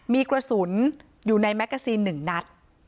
มีกระสุนอยู่ในแมกกาซีน๑นัด